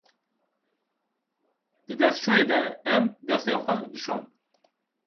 Di destşoyê de, em destên xwe dişon.